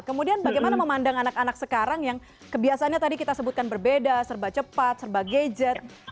kemudian bagaimana memandang anak anak sekarang yang kebiasaannya tadi kita sebutkan berbeda serba cepat serba gadget